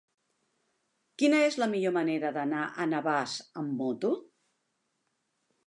Quina és la millor manera d'anar a Navàs amb moto?